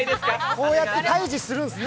こうやって退治するんですね。